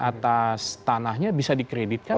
atas tanahnya bisa dikreditkan